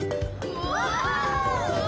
うわ！